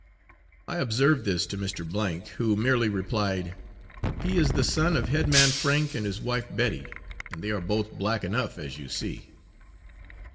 I observed this to Mr. , who merely replied, 'He is the son of head man Frank and his wife Betty, and they are both black enough, as you see.'